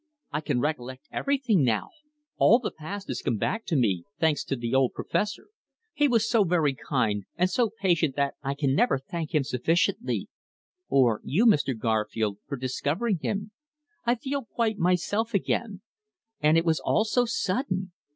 I can recollect everything now! All the past has come back to me, thanks to the old Professor. He was so very kind, and so patient that I can never thank him sufficiently or you, Mr. Garfield, for discovering him. I feel quite myself again. And it was all so sudden.